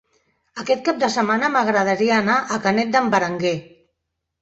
Aquest cap de setmana m'agradaria anar a Canet d'en Berenguer.